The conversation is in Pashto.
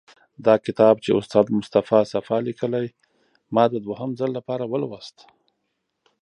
دا کتاب چې استاد مصطفی صفا لیکلی، ما د دوهم ځل لپاره ولوست.